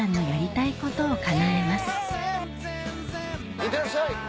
いってらっしゃい。